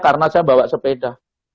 karena saya bawa sepeda